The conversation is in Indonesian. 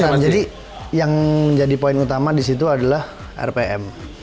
bukan jadi yang menjadi poin utama di situ adalah rpm